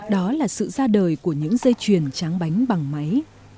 đó là sự ra đời của những dây chuyền tráng bánh bằng máy